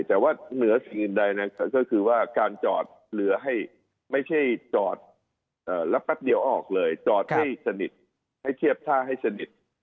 แต่ว่าเหนือสิ่งอื่นใดก็คือว่าการจอดเหลือให้ไม่ใช่จอดแล้วแป๊บเดียวออกเลยจอดให้สนิทให้เทียบท่าให้สนิท